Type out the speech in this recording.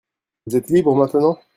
Vous êtes libre maintenant ?